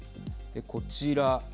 こちら。